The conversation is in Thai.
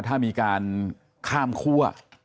ถ้ามีการข้ามคั่ว